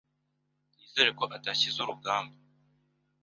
Nizere ko adashyizeho urugamba.